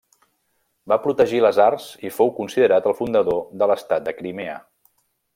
Va protegir les arts i fou considerat el fundador de l'estat de Crimea.